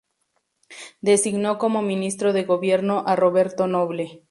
Designó como ministro de gobierno a Roberto Noble.